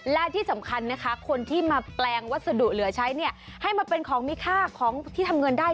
และที่สำคัญนะคะคนที่มาแปลงวัสดุเหลือใช้เนี่ยให้มาเป็นของมีค่าของที่ทำเงินได้